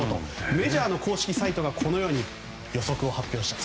メジャーの公式サイトがこのように予想を発表したと。